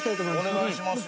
お願いします。